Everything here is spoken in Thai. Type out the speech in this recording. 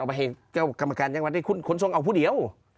เอาไปให้กรรมการจังหวัดนี่หลงส่งให้คุณเอาผู้เดียว